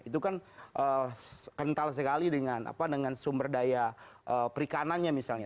itu kan kental sekali dengan sumber daya perikanannya misalnya